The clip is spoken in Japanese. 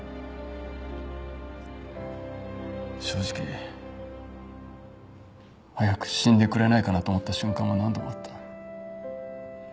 正直早く死んでくれないかなと思った瞬間も何度もあった。